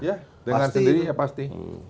ya dengan sendiri pasti